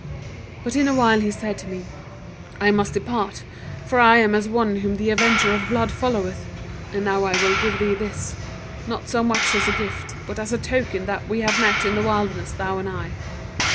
"But in a while he said to me: 'I must depart, for I am as one whom the Avenger of Blood followeth; and now I will give thee this, not so much as a gift, but as a token that we have met in the wilderness, thou and I.'